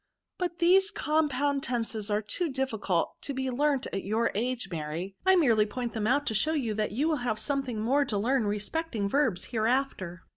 But these compound tenses are too difficult to be learnt at your age, Mary ; I merely point them out to show you that you will have something more to learn respecting verbs hereafter.